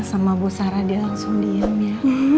sama bu sarah dia langsung diem ya